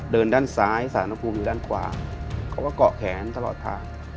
ด้านซ้ายสารภูมิอยู่ด้านขวาเขาก็เกาะแขนตลอดทาง